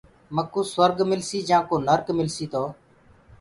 مڪوٚ سُرگ ملسيٚ جآنٚ ڪو نرگ ملسيٚ۔ تو